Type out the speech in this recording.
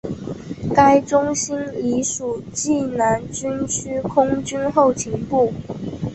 该中心隶属济南军区空军后勤部。